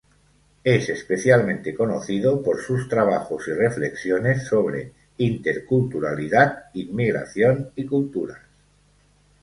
Es especialmente conocido por sus trabajos y reflexiones sobre interculturalidad, inmigración y culturas.